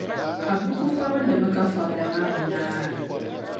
Abu kuli fabindi mi, ka fabila maa bi naara.